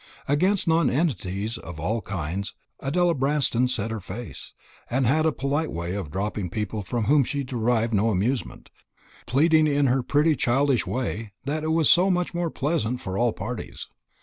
Against nonentities of all kinds Adela Branston set her face, and had a polite way of dropping people from whom she derived no amusement, pleading in her pretty childish way that it was so much more pleasant for all parties.